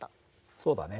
そうだね。